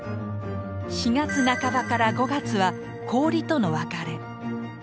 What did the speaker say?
４月半ばから５月は「氷との別れ」。